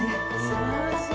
すばらしい。